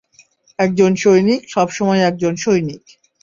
একজন সৈনিক সবসময় একজন সৈনিক।